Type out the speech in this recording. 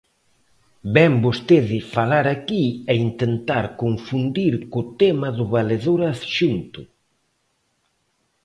Vén vostede falar aquí e intentar confundir co tema do valedor adxunto.